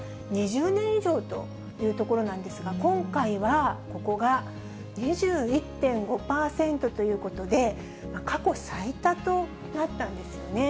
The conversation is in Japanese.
２０年以上というところなんですが、今回はここが２１．５％ということで、過去最多となったんですよね。